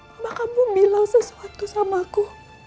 mama kamu bilang sesuatu sama aku